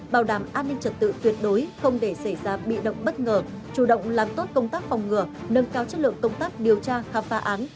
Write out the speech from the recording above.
bảo đảm an ninh trật tự tuyệt đối không để xảy ra bị động bất ngờ chủ động làm tốt công tác phòng ngừa nâng cao chất lượng công tác điều tra khám phá án